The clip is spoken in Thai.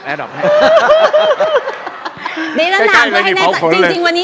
ใกล้ไม่มีเผาขนเลย